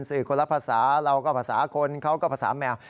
คนละภาษาเราก็ภาษาคนเขาก็ภาษาแมว